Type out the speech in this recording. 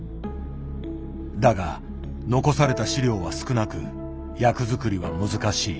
だが残された資料は少なく役作りは難しい。